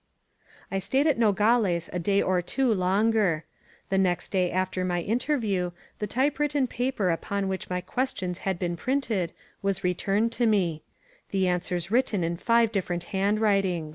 I stayed at Nogales a day or two longer. The next day after my interview, the typewritten paper upon which my questions had been printed was returned to me ; the answers written in five different handwritings.